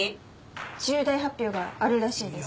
重大発表があるらしいです。